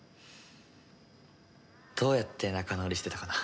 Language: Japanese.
どうやって仲直りしてたかな？